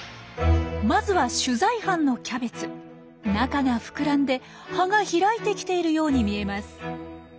まずは中が膨らんで葉が開いてきているように見えます。